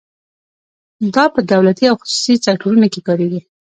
دا په دولتي او خصوصي سکتورونو کې کاریږي.